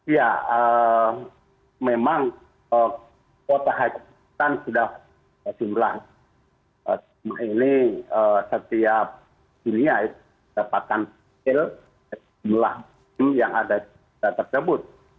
ya memang kuota haji kita sudah jumlah jemaah ini setiap dunia dapatkan jemaah haji yang ada di indonesia